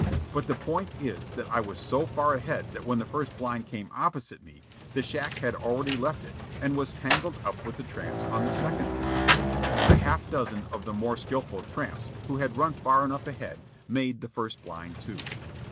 But the point is that I was so far ahead that when the first blind came opposite me, the shack had already left it and was tangled up with the tramps on the second blind. A half dozen of the more skilful tramps, who had run far enough ahead, made the first blind, too.